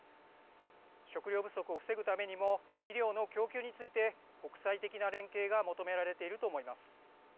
食糧不足を防ぐためにも肥料の供給について国際的な連携が求められていると思います。